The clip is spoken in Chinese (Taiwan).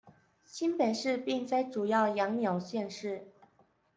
新北市並非主要養鳥縣市